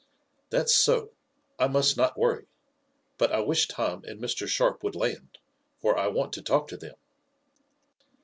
"That's so. I must not worry. But I wish Tom and Mr. Sharp would land, for I want to talk to them."